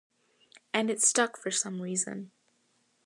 And it stuck for some reason.